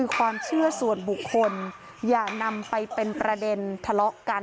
ความเชื่อส่วนบุคคลอย่านำไปเป็นประเด็นทะเลาะกัน